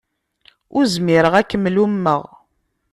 Ur zmireɣ ad kem-lummeɣ.